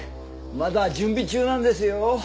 まだ準備中なんですよ。